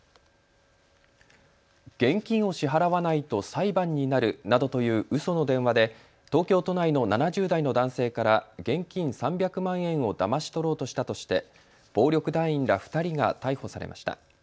現金を支払わないと裁判になるなどといううその電話で東京都内の７０代の男性から現金３００万円をだまし取ろうとしたとして暴力団員ら２人が逮捕されました。